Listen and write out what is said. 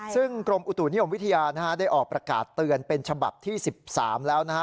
ซึ่งกรมอุตุนิยมวิทยาได้ออกประกาศเตือนเป็นฉบับที่๑๓แล้วนะฮะ